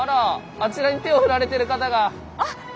あちらに手を振られてる方が！あっ！